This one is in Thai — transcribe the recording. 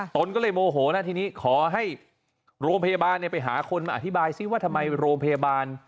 ตนก็เลยโมโหนะทีนี้ขอให้โรงพยาบาลไปหาคนมาอธิบายซิว่าทำไมโรงพยาบาล